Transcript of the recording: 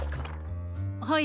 はい。